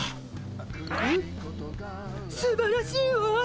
ハッすばらしいわ！